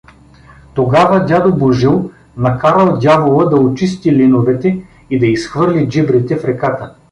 Тогава дядо Божил накарал дявола да очисти линовете и да изхвърли джибрите в реката.